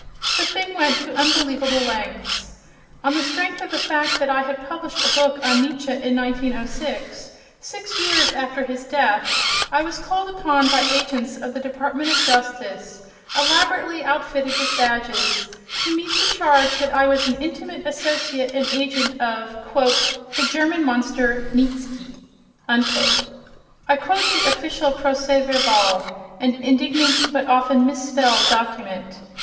The thing went to unbelievable lengths. On the strength of the fact that I had published a book on Nietzsche in 1906, six years after his death, I was called upon by agents of the Department of Justice, elaborately outfitted with badges, to meet the charge that I was an intimate associate and agent of "the German monster, Nietzsky." I quote the official procès verbal, an indignant but often misspelled document.